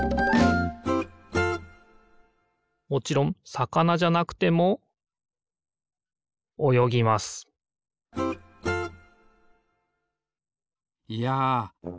もちろんさかなじゃなくてもおよぎますいやみずって